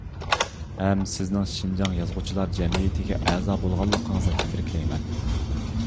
ھەم سىزنىڭ شىنجاڭ يازغۇچىلار جەمئىيىتىگە ئەزا بولغانلىقىڭىزنى تەبرىكلەيمەن.